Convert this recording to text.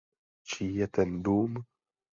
Čí je ten dům?